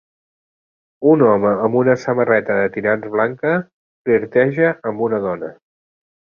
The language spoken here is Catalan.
Un home amb una samarreta de tirants blanca flirteja amb una dona.